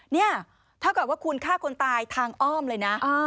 นี่ถ้าเกิดว่าคุณฆ่าคนตายทางอ้อมเลยนะ